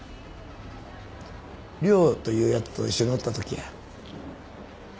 涼というヤツと一緒におったときや。